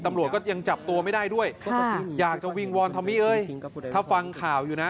ตำรวจก็ยังจับตัวไม่ได้ด้วยอยากจะวิงวอนทอมมี่เอ้ยถ้าฟังข่าวอยู่นะ